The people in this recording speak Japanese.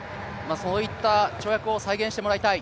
そういった跳躍を再現してもらいたい。